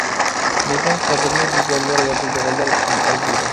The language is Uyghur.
لېكىن، قەدرىنى بىلگەنلەر ۋە بىلىدىغانلار ئۈچۈن ئەرزىيدۇ.